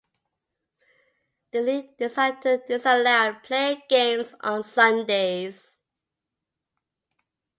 The league decided to disallow playing games on Sundays.